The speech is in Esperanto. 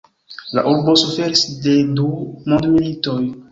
La urbo suferis de du mondmilitoj.